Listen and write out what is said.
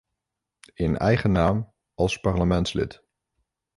In eigen naam, als parlementslid.